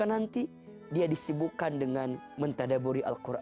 maka nanti dia disibukkan dengan men tadaburi al quran